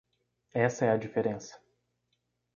Essa é a diferença.